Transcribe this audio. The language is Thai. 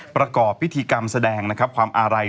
ประกอบพิธีกรรมแสดงความอารัย